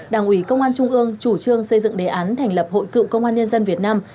đảng ủy công an trung ương chủ trương xây dựng đề án thành lập hội cựu công an nhân dân việt nam